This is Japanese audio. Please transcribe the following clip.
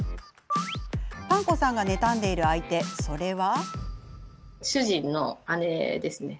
ぱんこさんが妬んでいる相手それは。